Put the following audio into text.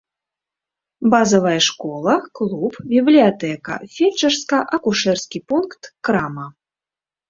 Базавая школа, клуб, бібліятэка, фельчарска-акушэрскі пункт, крама.